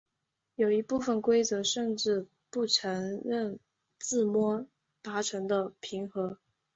有一部分规则甚至不承认自摸达成的平和。